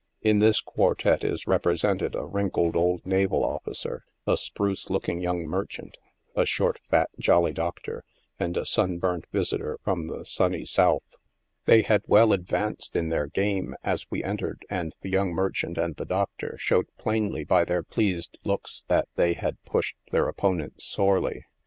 In this quartet is represented a wrin kled old naval officer, a spruce looking young merchant, a short, fat, jolly doctor, and a sunburnt visitor from the sunny South. They 8 NIGHT SIDE OF NEW YORK., had well advanced in their game, as we entered, and the young merchant and the doctor showed plainly by their pleased looks that they had pushed their opponents sorely.